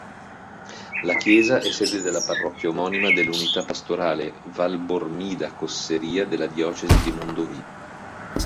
La chiesa è sede della parrocchia omonima dell'unità pastorale Valbormida-Cosseria della diocesi di Mondovì.